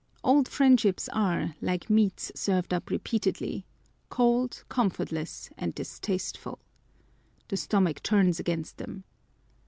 ' Old friendships are, like meats served up repeatedly, cold, ^comfortless and distasteful. The stomach turns against them.